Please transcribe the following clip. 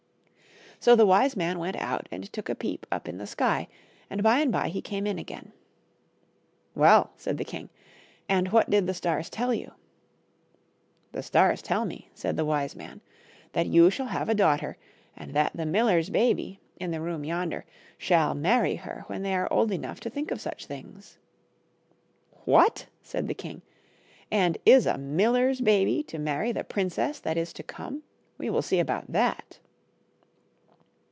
So the wise man went out and took a peep up in the sky, and by and by he came in again. " Well," said the king, " and what did the stars tell you ?" The stars tell me," said the wise man, " that you shall have a daughter, and that the miller's baby, in the room yonder, shall many her when they are old enough to think of such things." 4 BEARSKIN. " What !" said the king, " and is a miller's baby to many the princess that is to come ! We will see about that."